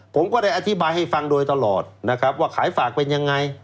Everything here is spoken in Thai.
ผมก็ได้อธิบายให้ฟังโดยตลอดนะครับว่าขายฝากเป็นยังไง